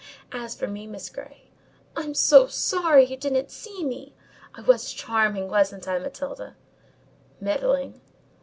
As for me, Miss Grey—I'm so sorry you didn't see me! I was charming—wasn't I, Matilda?" "Middling."